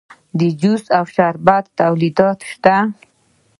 د جوس او شربت تولیدات شته